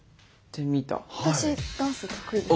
私ダンス得意ですよ。